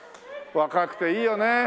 若くていいよね。